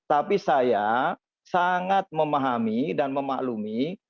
tapi saya sangat memahami dan memaklumi